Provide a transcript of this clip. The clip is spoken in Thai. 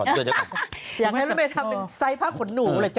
อยากให้รถเมย์ทำเป็นไซส์ผ้าขนหนูเหรอจ๊